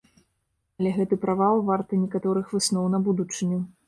Але гэты правал варты некаторых высноў на будучыню.